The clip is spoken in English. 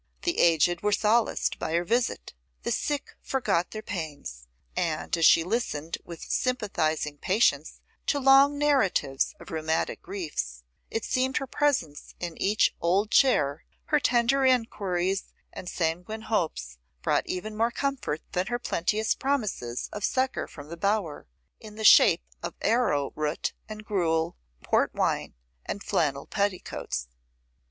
The aged were solaced by her visit; the sick forgot their pains; and, as she listened with sympathising patience to long narratives of rheumatic griefs, it seemed her presence in each old chair, her tender enquiries and sanguine hopes, brought even more comfort than her plenteous promises of succour from the Bower, in the shape of arrowroot and gruel, port wine and flannel petticoats.